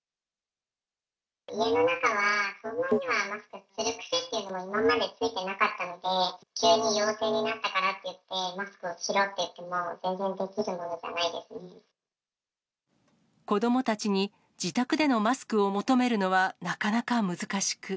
家の中は、そんなにはマスクする癖っていうのは、今までついてなかったので、急に陽性になったからといって、マスクをしろって言っても、子どもたちに自宅でのマスクを求めるのは、なかなか難しく。